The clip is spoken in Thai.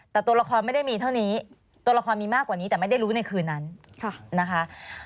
แต่ตัวละครไม่ได้มีเท่านี้ตัวละครมีมากกว่านี้แต่ไม่ได้รู้ในคืนนั้นนะคะ